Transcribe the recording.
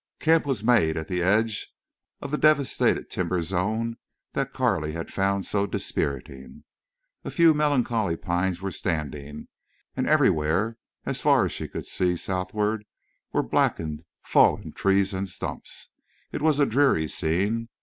Camp was made at the edge of the devastated timber zone that Carley had found so dispiriting. A few melancholy pines were standing, and everywhere, as far as she could see southward, were blackened fallen trees and stumps. It was a dreary scene.